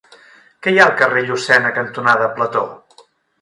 Què hi ha al carrer Llucena cantonada Plató?